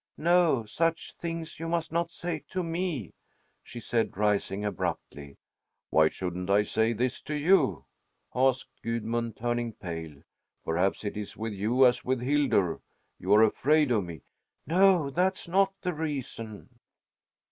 "No, such things you must not say to me," she said, rising abruptly. "Why shouldn't I say this to you?" asked Gudmund, turning pale. "Perhaps it is with you as with Hildur you are afraid of me?" "No, that's not the reason."